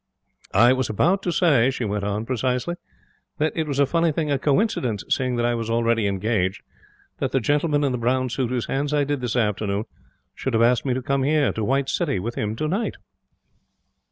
'I was about to say,' she went on precisely, 'that it was a funny thing, a coincidence, seeing that I was already engaged, that the gentleman in the brown suit whose hands I did this afternoon should have asked me to come here, to the White City, with him tonight.'